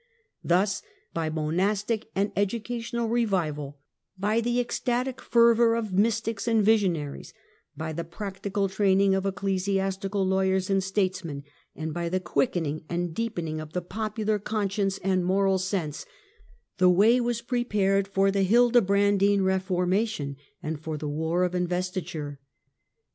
Thus, by monastic and educational revival, by the ecstatic fervour of mystics and visionaries, by the practical training of ecclesiastical lawyers and statesmen, and by the quickening and deepening of the popular con science and moral sense, the way was prepared for the Hildebrandine reformation, and for the war of Investiture.